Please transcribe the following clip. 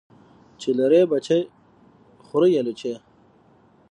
چی لری بچي خوري الوچی .